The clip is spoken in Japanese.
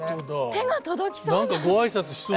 手が届きそうな。